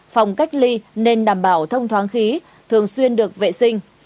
phòng cách ly nên đảm bảo thông thoáng khí thường xuyên được vệ sinh